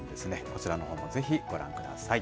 こちらのほうもぜひご覧ください。